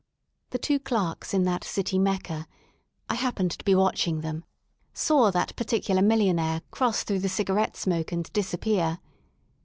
The two clerks in that City Mecca — I happened to be watching them — saw that particular millionaire cross through the cigarette smoke and disappear.